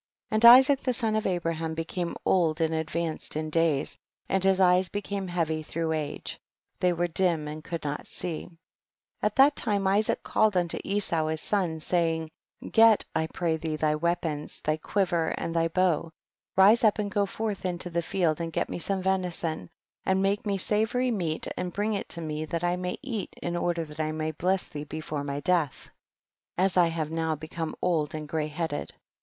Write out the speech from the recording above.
And Isaac the son of Abraham became old and advanced in days, and his eyes became heavy through age ; they were dim and could not see. 2. At that time Isaac called unto Esau his son, saying, get I pray thee thy weapons, thy quiver and thy bow, rise up and go forth into the field and get me some venison, and make me savory meat and bring it to me, that I may eat in order that I may bless thee before my death, as I have now become old and grey headed.